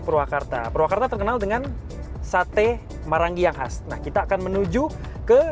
purwakarta purwakarta terkenal dengan sate marangi yang khas nah kita akan menuju ke